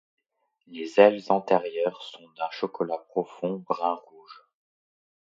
Les ailes antérieures sont d'un chocolat profond brun rouge.